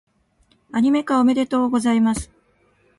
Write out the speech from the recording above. アニメ化、おめでとうございます！